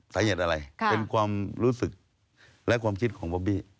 สาเหตุอะไรเป็นความรู้สึกและความคิดของบอบบี้